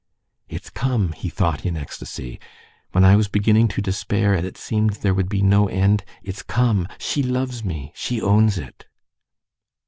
"It's come!" he thought in ecstasy. "When I was beginning to despair, and it seemed there would be no end—it's come! She loves me! She owns it!"